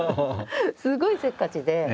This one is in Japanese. すごいせっかちで。